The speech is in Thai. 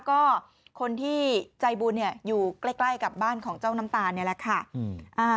ก็คนที่ใจบุญอยู่ใกล้กับบ้านของเจ้าน้ำตาลนี่แหละค่ะ